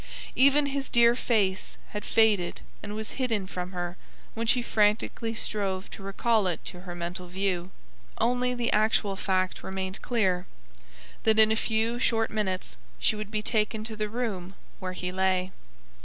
Even his dear face had faded and was hidden from her when she frantically strove to recall it to her mental view. Only the actual fact remained clear, that in a few short minutes she would be taken to the room where he lay.